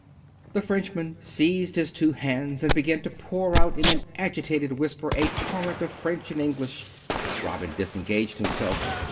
The Frenchman seized his two hands and began to pour out in an agitated whisper a torrent of French and English. Robin disengaged himself.